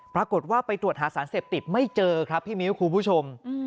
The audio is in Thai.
ปรากฏว่าไปตรวจหาสารเสพติดไม่เจอครับพี่มิ้วคุณผู้ชม